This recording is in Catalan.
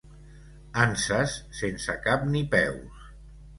Anses sense cap ni peus.